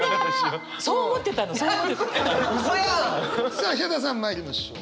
さあヒャダさんまいりましょう。